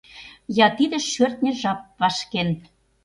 Я тиде шӧртньӧ жап вашкен